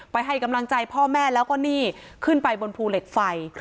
ให้กำลังใจพ่อแม่แล้วก็นี่ขึ้นไปบนภูเหล็กไฟ